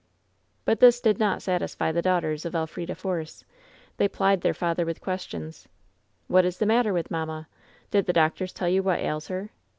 But this did not satisfy the daughters of Elf rida Force. They plied their father with questions: "What is the matter with mamma?" "Did the doctors tell you what ails her?'